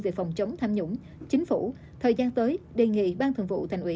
về phòng chống tham nhũng chính phủ thời gian tới đề nghị ban thường vụ thành ủy